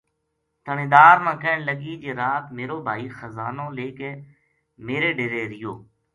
تھہانیدار نا کہن لگی جی رات میرو بھائی خزانو لے کے میرے ڈیرے رہیو